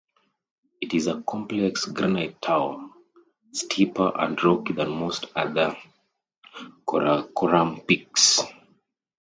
It is a complex granite tower, steeper and rockier than most other Karakoram peaks.